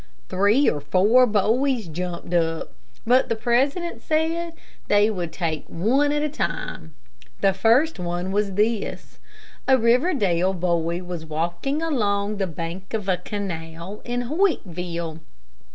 Three or four boys jumped up, but the president said they would take one at a time. The first one was this: A Riverdale boy was walking along the bank of a canal in Hoytville.